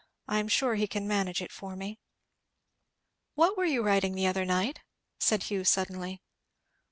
I am sure he can manage it for me." "What were you writing the other night?" said Hugh suddenly.